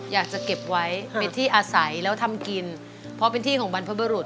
อยากจะเก็บไว้เป็นที่อาศัยแล้วทำกินเพราะเป็นที่ของบรรพบุรุษ